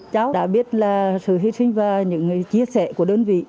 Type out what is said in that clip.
cháu đã biết là sự hy sinh và những chia sẻ của đơn vị